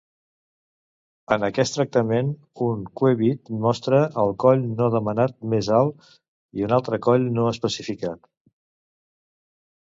En aquest tractament, un cue-bid mostra el coll no demanat més alt i un altre coll no especificat.